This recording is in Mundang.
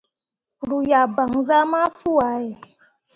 Ru yah gbanzah mafuu ah ye.